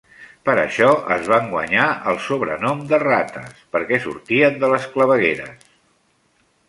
Per això es van guanyar el sobrenom de Rates, perquè sortien de les clavegueres.